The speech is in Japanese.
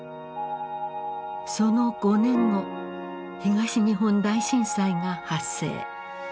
その５年後東日本大震災が発生。